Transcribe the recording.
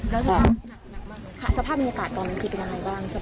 แล้วสภาพมีความหนักมากมั้งครับ